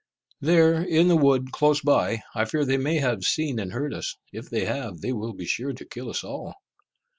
"There, in the wood, close by. I fear they may have seen and heard us. If they have, they will be sure to kill us all."